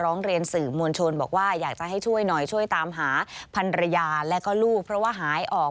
ลองเรียนสื่อมวลชนบอกว่าอยากจะให้ช่วยน้อยช่วยตามหาพันรยาและก็ลูก